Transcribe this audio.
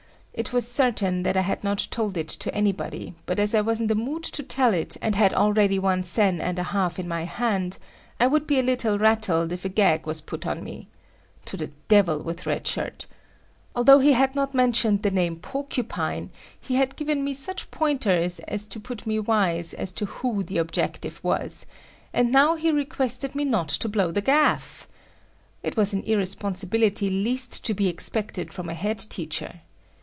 It was certain that I had not told it to anybody, but as I was in the mood to tell it and had already one sen and a half in my hand, I would be a little rattled if a gag was put on me. To the devil with Red Shirt! Although he had not mentioned the name "Porcupine," he had given me such pointers as to put me wise as to who the objective was, and now he requested me not to blow the gaff!—it was an irresponsibility least to be expected from a head teacher.